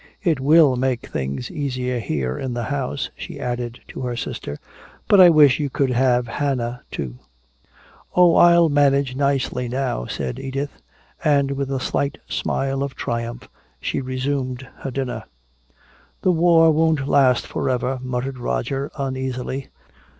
It will make things easier here in the house," she added, to her sister, "but I wish you could have Hannah, too." "Oh, I'll manage nicely now," said Edith. And with a slight smile of triumph she resumed her dinner. "The war won't last forever," muttered Roger uneasily.